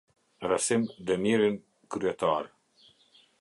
Rasim Demirin, kryetar.